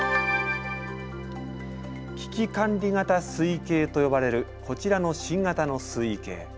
危機管理型水位計と呼ばれるこちらの新型の水位計。